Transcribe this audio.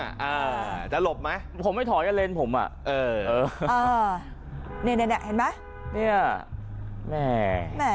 อ่าจะหลบไหมผมไม่ถอยก็เล่นผมอ่ะเอออ่าเนี่ยเนี่ยเนี่ยเห็นไหมเนี่ยแหมแหม